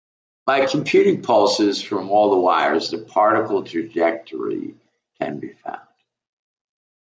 By computing pulses from all the wires, the particle trajectory can be found.